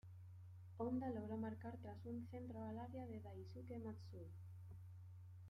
Honda logró marcar tras un centro al área de Daisuke Matsui.